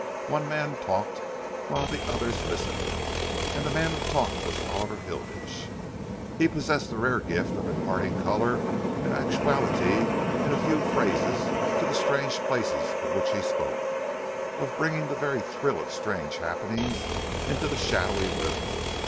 One man talked whilst the others listened, and the man who talked was Oliver Hilditch. He possessed the rare gift of imparting colour and actuality in a few phrases to the strange places of which he spoke, of bringing the very thrill of strange happenings into the shadowy room.